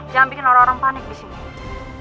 jangan bikin orang orang panik di sini